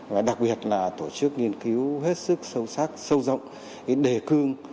và đặc biệt là tổ chức nghiên cứu hết sức sâu sắc sâu rộng cái đề cương